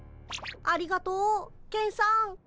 ありがとうケンさん。